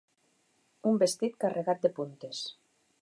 Un vestit carregat de puntes.